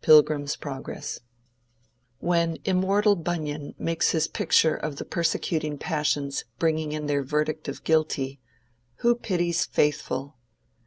—Pilgrim's Progress. When immortal Bunyan makes his picture of the persecuting passions bringing in their verdict of guilty, who pities Faithful?